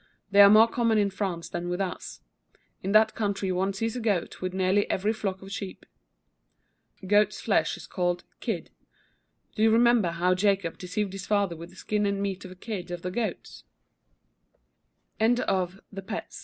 They are more common in France than with us. In that country one sees a goat with nearly every flock of sheep. Goats' flesh is called "kid." Do you remember how Jacob deceived his father with the skin a